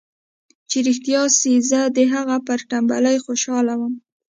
چې رښتيا سي زه د هغه پر ټمبلۍ خوشاله وم.